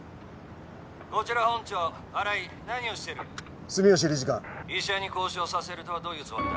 こちら本庁新井何をしてる住吉理事官医者に交渉させるとはどういうつもりだ？